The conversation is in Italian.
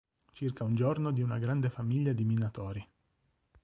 Circa un giorno di una grande famiglia di minatori.